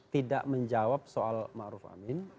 tidak menjawab soal ma'ruf amin